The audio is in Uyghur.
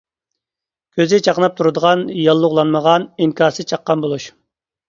كۆزى چاقناپ تۇرىدىغان، ياللۇغلانمىغان، ئىنكاسى چاققان بولۇش.